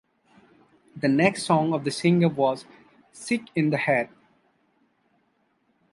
The next song of the singer was "Sick in the head".